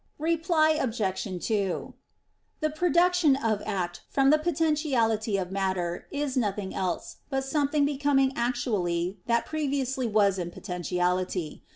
Reply Obj. 2: The production of act from the potentiality of matter is nothing else but something becoming actually that previously was in potentiality.